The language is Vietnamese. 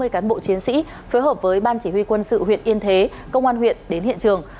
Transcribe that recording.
ba mươi cán bộ chiến sĩ phối hợp với ban chỉ huy quân sự huyện yên thế công an huyện đến hiện trường